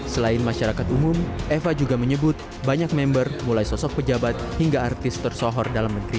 selain masyarakat umum eva juga menyebut banyak member mulai sosok pejabat hingga artis tersohor dalam negeri